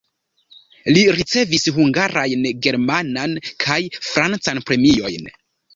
Li ricevis hungarajn, germanan kaj francan premiojn.